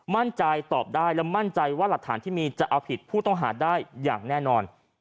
มั่นใจตอบได้และมั่นใจว่าหลักฐานที่มีจะเอาผิดผู้ต้องหาได้อย่างแน่นอน